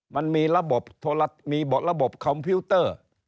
มันมีระบบคอมพิวเตอร์